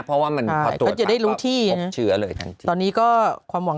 เพราะว่ามันพอตรวจจัดก็หลบชื่อเลยตอนนี้ก็ความหวัง